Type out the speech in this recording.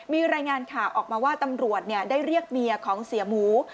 มีรายงานข่าวออกมาว่าตำรวจได้เรียกเมียของเสียหมู